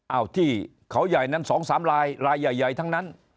ที่เขาใหญ่นั้น๒๓ลายลายใหญ่ทั้งนั้น